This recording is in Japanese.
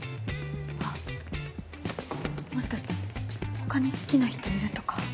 あっもしかして他に好きな人いるとか？